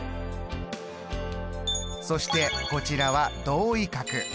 そしてこちらは同位角。